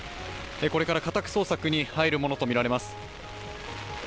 これから家宅捜索に入るものとみられます。